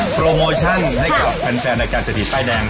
โปรโมชั่นให้กับแฟนรายการเศรษฐีป้ายแดง